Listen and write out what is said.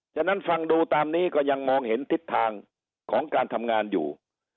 ฉะนั้นฟังดูตามนี้ก็ยังมองเห็นทิศทางของการทำงานอยู่